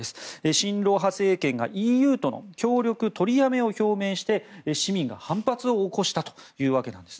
親ロ派政権がＥＵとの協力取りやめを表明して市民が反発を起こしたというわけなんです。